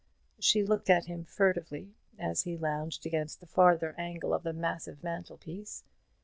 She looked at him furtively as he lounged against the farther angle of the massive mantel piece.